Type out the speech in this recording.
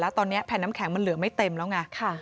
แล้วตอนนี้แผ่นน้ำแข็งมันเหลือไม่เต็มแล้วไง